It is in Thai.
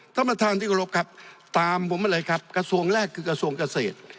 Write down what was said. ท่านประธานที่กรบครับตามผมมาเลยครับกระทรวงแรกคือกระทรวงเกษตร